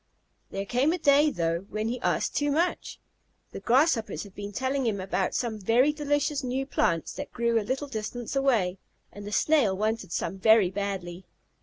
There came a day, though, when he asked too much. The Grasshoppers had been telling him about some very delicious new plants that grew a little distance away, and the Snail wanted some very badly.